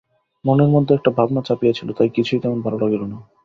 মনের মধ্যে একটা ভাবনা চাপিয়া ছিল, তাই কিছুই তেমন ভালো লাগিল না।